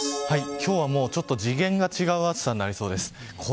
今日はちょっと次元が違う暑さになりそうです。